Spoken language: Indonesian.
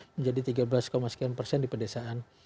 menjadi tiga belas sekian persen di pedesaan